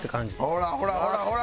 ほらほらほらほら。